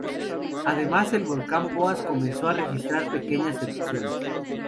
Además, el volcán Poás comenzó a registrar pequeñas erupciones.